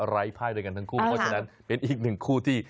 ไร้ไพ่ด้วยกันทั้งคู่เพราะฉะนั้นเป็นอีกหนึ่งคู่ที่